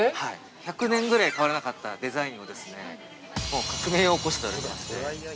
◆１００年ぐらい変わらなかったデザインを革命を起こしたんで。